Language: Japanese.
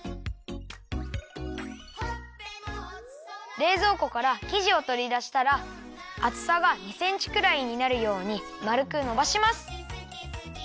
れいぞうこからきじをとりだしたらあつさが２センチくらいになるようにまるくのばします。